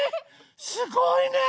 すごいね！